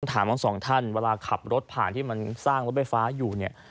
ถามทั้งสองท่านเวลาขับรถผ่านที่มันสร้างรถไฟฟ้าอยู่เนี่ย